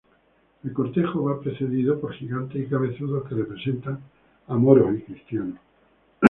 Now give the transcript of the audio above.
El cortejo va precedido por gigantes y cabezudos que representan a moros y cristianos.